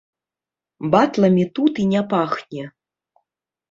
Батламі тут і не пахне.